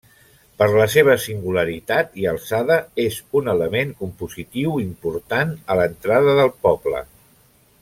Per la seva singularitat i alçada, és un element compositiu important a l'entrada del poble.